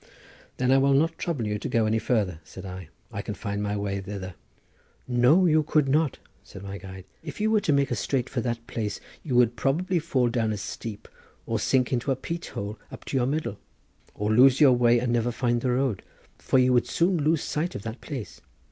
"Then I will not trouble you to go any further," said I; "I can find my way thither." "No, you could not," said my guide; "if you were to make straight for that place you would perhaps fall down a steep, or sink into a peat hole up to your middle, or lose your way and never find the road, for you would soon lose sight of that place.